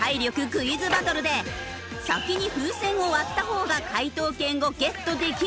クイズバトルで先に風船を割った方が解答権をゲットできるという対決。